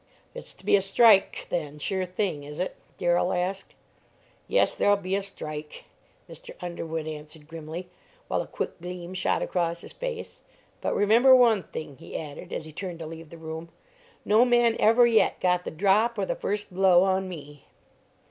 "It's to be a strike then, sure thing, is it?" Darrell asked. "Yes, there'll be a strike," Mr. Underwood answered, grimly, while a quick gleam shot across his face; "but remember one thing," he added, as he turned to leave the room, "no man ever yet got the drop or the first blow on me!"